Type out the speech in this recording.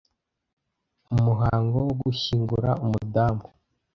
Umuhango wo gushyingura umudamu